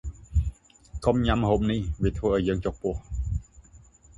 កុំញ៉ាំម្ហូបនេះ វាធ្វើឱ្យយើងចុកពោះ ។